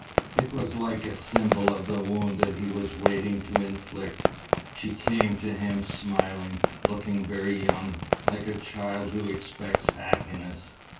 It was like a symbol of the wound that he was waiting to inflict. She came to him smiling, looking very young, like a child who expects happiness.